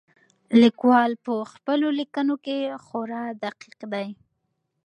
لیکوال په خپلو لیکنو کې خورا دقیق دی.